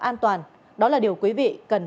an toàn đó là điều quý vị cần